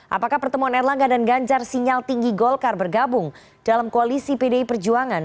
apakah pertemuan erlangga dan ganjar sinyal tinggi golkar bergabung dalam koalisi pdi perjuangan